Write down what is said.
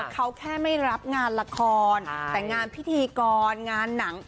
เขาแค่ไม่รับงานละครแต่งานพิธีกรงานหนัง